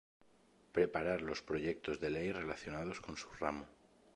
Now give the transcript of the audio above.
Preparar los proyectos de ley relacionados con su ramo.